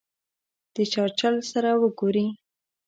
د چرچل سره وګوري.